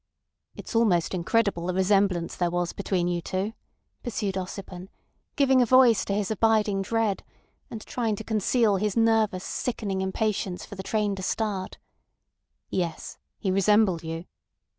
"It's almost incredible the resemblance there was between you two," pursued Ossipon, giving a voice to his abiding dread, and trying to conceal his nervous, sickening impatience for the train to start. "Yes; he resembled you."